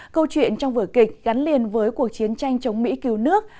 câu chuyện trong vở kịch gắn liền với cuộc chiến tranh chống mỹ cứu nước